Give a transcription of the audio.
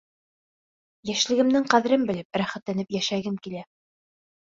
Йәшлегемдең ҡәҙерен белеп, рәхәтләнеп йәшәгем килә.